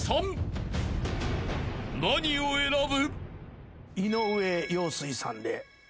［何を選ぶ？］